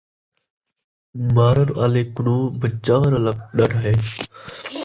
مارݨ آلے کنوں بچاوݨ آلا ݙاڈھا ہے